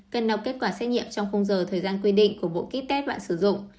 cần đọc kết quả xét nhiệm trong khung giờ thời gian quy định của bộ kỹ test bạn sử dụng